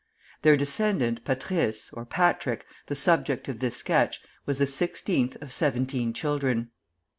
Their descendant, Patrice (or Patrick), the subject of this sketch, was the sixteenth of seventeen children.